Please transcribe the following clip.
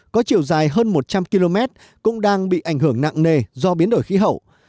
có chiều dài hơn một trăm linh km cũng đang bị ảnh hưởng nặng nề do biến đổi khí hậu